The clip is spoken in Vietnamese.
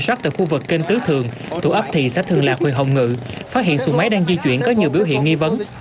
xã thường lạc huyện hồng ngự phát hiện xuồng máy đang di chuyển có nhiều biểu hiện nghi vấn